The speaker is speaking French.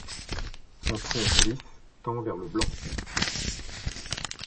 Son tronc lisse tend vers le blanc.